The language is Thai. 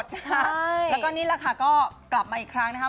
ใช่แล้วก็นี่แหละค่ะก็กลับมาอีกครั้งนะครับ